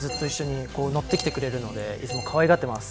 乗ってきてくれるのでいつもかわいがってます。